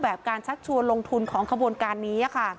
แบบการชัดชัวร์ลงทุนของกระบวนการนี้